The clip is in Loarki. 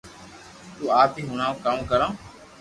تو آپ ھي ھڻاو ڪاو ڪرو